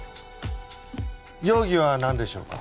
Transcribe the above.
容疑はなんでしょうか？